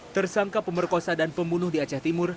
tersangka pemerkosa dan pembunuh di aceh timur